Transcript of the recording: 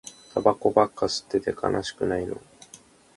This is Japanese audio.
タバコばっか吸ってて悲しくないの